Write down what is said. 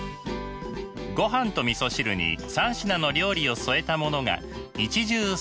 ごはんとみそ汁に３品の料理を添えたものが一汁三菜。